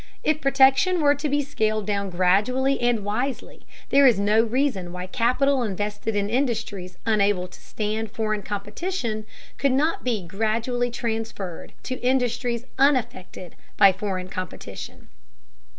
If protection were to be scaled down gradually and wisely, there is no reason why capital invested in industries unable to stand foreign competition could not be gradually transferred to industries unaffected by foreign competition.